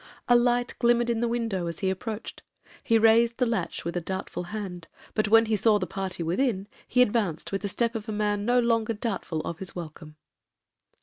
A light glimmered in the window as he approached: he raised the latch with a doubtful hand; but, when he saw the party within, he advanced with the step of a man no longer doubtful of his welcome.